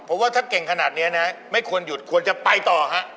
ผมว่าถ้าเก่งขนาดนี้นะไม่ควรหยุดควรจะไปต่อฮะ